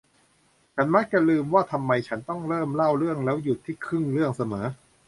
ฉันมักจะลืมว่าทำไมฉันต้องเริ่มเล่าเรื่องแล้วหยุดที่ครึ่งเรื่องเสมอ